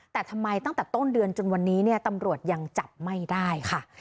แต่ทำไมตั้งแต่ต้นเดือนจนวันนี้เนี่ยตำรวจยังจับไม่ได้ค่ะ